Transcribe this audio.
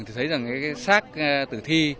thì thấy rằng cái xác tử thi